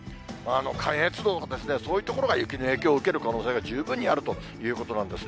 関越道とか、そういう所が雪の影響を受ける可能性が十分にあるということなんですね。